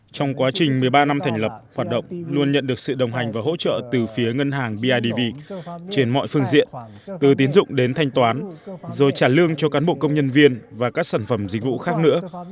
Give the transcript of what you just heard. trong quá trình một mươi ba năm thành lập hoạt động luôn nhận được sự đồng hành và hỗ trợ từ phía ngân hàng bidv trên mọi phương diện từ tiến dụng đến thanh toán rồi trả lương cho cán bộ công nhân viên và các sản phẩm dịch vụ khác nữa